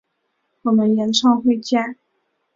我们演唱会见！